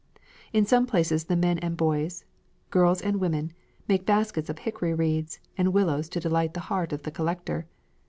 In some places the men and boys, girls and women, make baskets of hickory reeds and willows to delight the heart of the collector.